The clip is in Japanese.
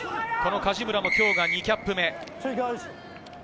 梶村も今日が２キャップ目。